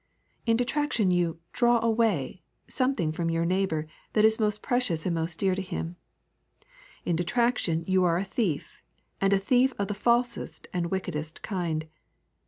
In detraction you draw away something from your neighbour that is most precious and most dear to him. In detraction you are a thief, and a thief of the falsest and wickedest kind.